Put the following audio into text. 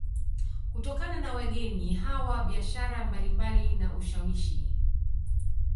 Kutokana na wageni hawa biashara mbalimbali na ushawishi